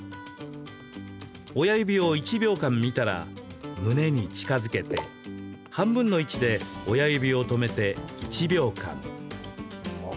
親指を１秒間見たら胸に近づけて半分の位置で親指を止めて１秒間。